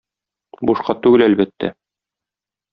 Бушка түгел, әлбәттә.